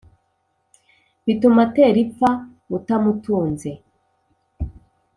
bituma atera ipfa utamutunze !